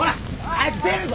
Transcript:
早く出るぞ！